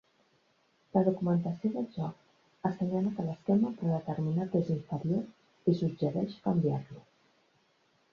La documentació del joc assenyala que l'esquema predeterminat és inferior i suggereix canviar-lo.